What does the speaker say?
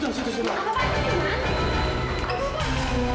tidak tidak tidak aku tidak perlu tuhan